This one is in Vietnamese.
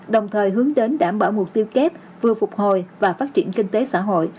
đồng thời hướng đến đảm bảo mục tiêu kép vừa phục hồi và phát triển kinh tế xã hội